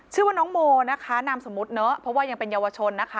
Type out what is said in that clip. ชื่อว่าน้องโมนะคะนามสมมุติเนอะเพราะว่ายังเป็นเยาวชนนะคะ